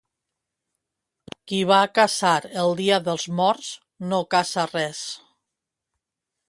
Qui va a caçar el dia dels morts no caça res.